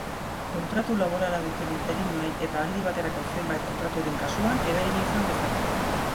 Kontratu laborala duten interinoei eta aldi baterako zenbait kontraturen kasuan eragina izan dezake.